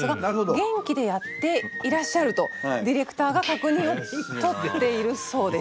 元気でやっていらっしゃるとディレクターが確認を取っているそうです。